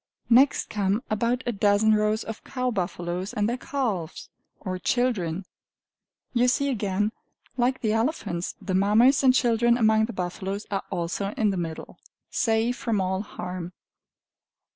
Next come about a dozen rows of cow buffaloes and their calves, or children. You see again, like the elephants, the Mammas and children among the buffaloes are also in the middle, safe from all harm.